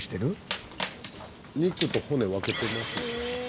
肉と骨分けてますね。